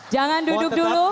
jangan duduk dulu